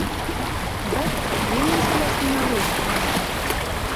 Адак «Еҥ мыскылаш тӱҥалеш» манеш.